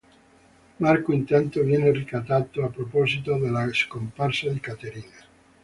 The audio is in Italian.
Marco intanto viene ricattato a proposito della scomparsa di Caterina.